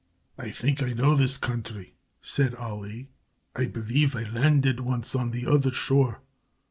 "I think I know this country," said Ali. "I believe I landed once on the other shore.